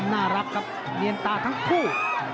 น่ารักครับเนียนตาทั้งคู่